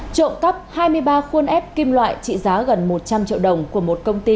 trộm cắp hai mươi ba khuôn ép kim loại trị giá gần một trăm linh triệu đồng của một công ty